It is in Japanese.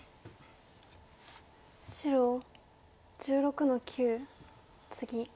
白１６の九ツギ。